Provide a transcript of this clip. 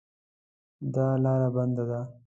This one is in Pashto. دا لار بنده ده